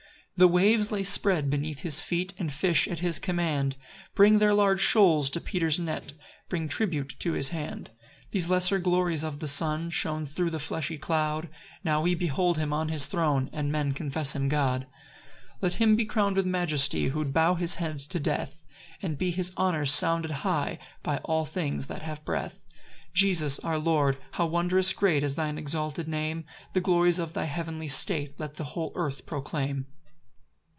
6 The waves lay spread beneath his feet; And fish, at his command, Bring their large shoals to Peter's net, Bring tribute to his hand. 7 These lesser glories of the Son Shone thro' the fleshly cloud; Now we behold him on his throne, And men confess him God.] 8 Let him be crown'd with majesty, Who bow'd his head to death; And be his honours sounded high, By all things that have breath. 9 Jesus, our Lord, how wondrous great Is thine exalted name! The glories of thy heavenly state Let the whole earth proclaim.